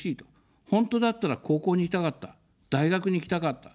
本当だったら高校に行きたかった、大学に行きたかった。